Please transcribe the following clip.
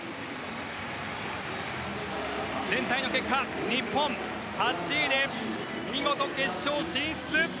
全体の結果、日本は８位で見事、決勝進出。